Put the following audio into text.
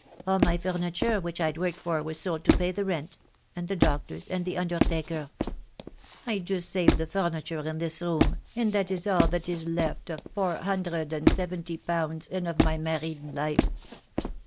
All my furniture which I'd worked for was sold to pay the rent, and the doctors, and the undertaker. I just saved the furniture in this room, and that is all that is left of four hundred and seventy pounds and of my married life."